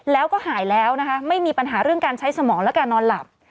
แล้วก็หายแล้วนะคะไม่มีปัญหาเรื่องการใช้สมองและการนอนหลับ